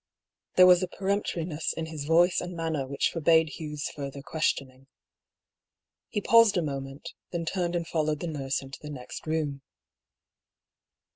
There was a peremp toriness in his voice and manner which forbade Hugh's further questioning. He paused a moment, then turned and followed the nurse into the next room.